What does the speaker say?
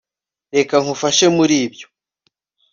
reka ngufashe muri ibyo